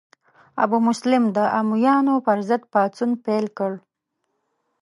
ابو مسلم د امویانو پر ضد پاڅون پیل کړ.